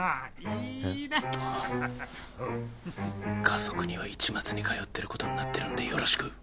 家族には市松に通ってることになってるんでよろしく。